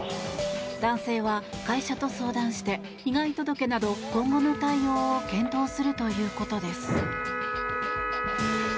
男性は会社と相談して被害届など今後の対応を検討するということです。